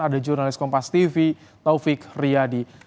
ada jurnalis kompas tv taufik riyadi